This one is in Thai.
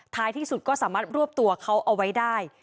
ที่สุดก็สามารถรวบตัวเขาเอาไว้ได้